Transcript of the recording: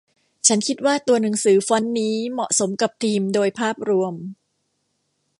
ฉันคิดว่าตัวหนังสือฟอนต์นี้เหมาะสมกับธีมโดยภาพรวม